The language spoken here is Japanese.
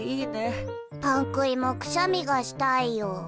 パンくいもくしゃみがしたいよ。